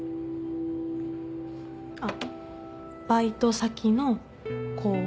あっバイト先の後輩。